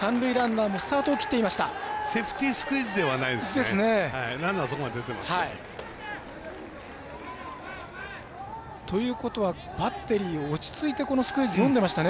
セーフティースクイズではなかったですね。ということはバッテリーは落ち着いてスクイズ、読んでましたね。